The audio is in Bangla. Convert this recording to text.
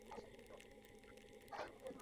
এই, কোথায় হারিয়ে গিয়েছিলি রে তুই?